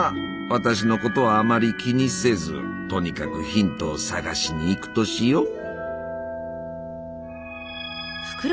私のことはあまり気にせずとにかくヒントを探しに行くとしよう。